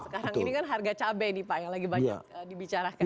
sekarang ini kan harga cabai nih pak yang lagi banyak dibicarakan